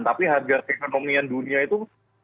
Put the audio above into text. tapi harga ekonomi dunia itu empat belas empat ratus lima puluh